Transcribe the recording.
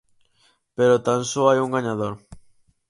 Pero tan só hai un gañador.